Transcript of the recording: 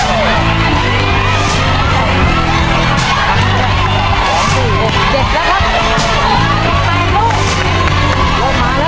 อันนี้ดีนะครับ